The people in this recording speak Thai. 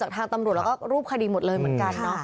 ทางตำรวจแล้วก็รูปคดีหมดเลยเหมือนกันเนาะ